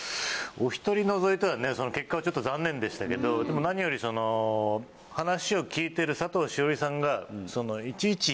お１人除いたら結果はちょっと残念でしたけどでも何より話を聞いてる佐藤栞里さんがいちいち。